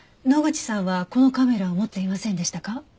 野口さんはこのカメラを持っていませんでしたか？